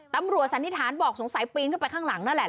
สันนิษฐานบอกสงสัยปีนขึ้นไปข้างหลังนั่นแหละ